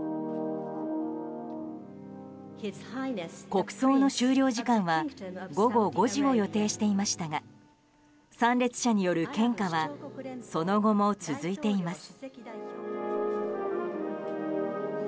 国葬の終了時間は午後５時を予定していましたが参列者による献花はその後も続いています。